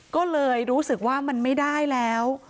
ก็เลยรู้สึกว่ามันไม่ได้แล้ว